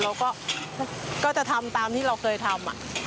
เราก็จะทำตามที่เราเคยทำ